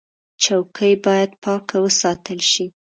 چوکۍ باید پاکه وساتل شي.